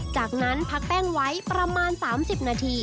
จากนั้นพักแป้งไว้ประมาณ๓๐นาที